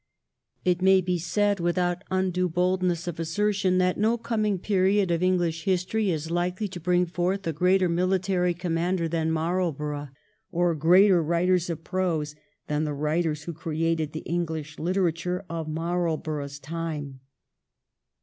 It may be said, without undue boldness of assertion, that no coming period of English history is likely to bring forth a greater military commander than Marlborough, or greater writers of prose than the writers who created the English literature of Marlborough's time.